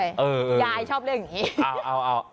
ยายชอบเรื่องอย่างนี้